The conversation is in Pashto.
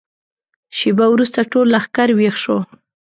شېبه وروسته ټول لښکر ويښ شو.